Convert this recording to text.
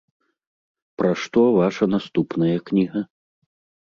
Пра што ваша наступная кніга?